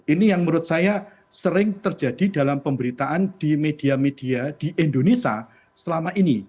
ini yang menurut saya sering terjadi dalam pemberitaan di media media di indonesia selama ini